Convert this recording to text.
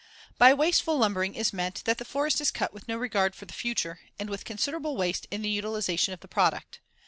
] By wasteful lumbering is meant that the forest is cut with no regard for the future and with considerable waste in the utilization of the product.